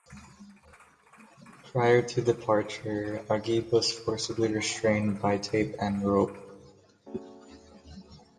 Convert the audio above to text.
Prior to departure, Ageeb was forcibly restrained by tape and rope.